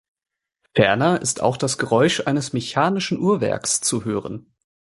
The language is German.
Ferner ist auch das Geräusch eines mechanischen Uhrwerks zu hören.